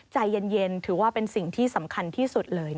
ใจเย็นถือว่าเป็นสิ่งที่สำคัญที่สุดเลย